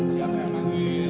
siapa yang panggil